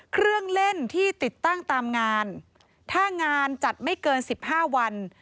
เครื่องเล่นที่ติดตั้งตามงานถ้างานจัดไม่เกินสิบห้าวัน